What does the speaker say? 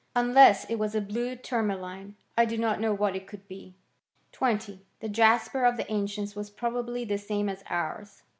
Unless it was a bhie lim^' maliny 1 do not know what it could be. .•: 20. The jasper of the ancients was probably As same as ours.